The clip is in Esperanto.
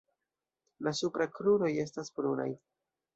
La supra kruroj estas brunaj.